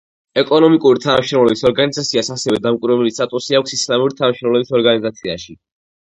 ეკონომიკური თანამშრომლობის ორგანიზაციას ასევე დამკვირვებლის სტატუსი აქვს ისლამური თანამშრომლობის ორგანიზაციაში.